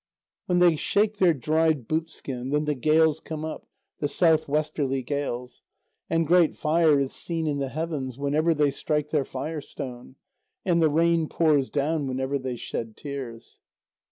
When they shake their dried boot skin, then the gales come up, the south westerly gales. And great fire is seen in the heavens whenever they strike their fire stone, and the rain pours down whenever they shed tears.